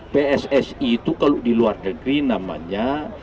pssi itu kalau di luar negeri namanya